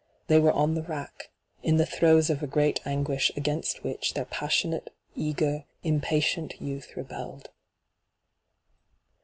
They were on the rack — in the throes of a great anguish against which their passionate, eager, impatient youth rebelled.